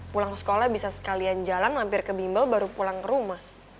pulang ke sekolah bisa sekalian jalan mampir ke bimbel baru pulang ke rumah